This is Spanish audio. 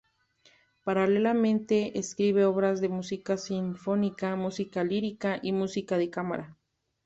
Paralelamente, escribe obras de música sinfónica, música lírica y música de cámara.